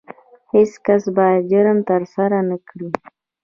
هیڅ کس باید جرم ترسره نه کړي.